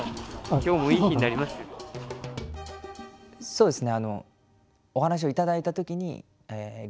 そうですね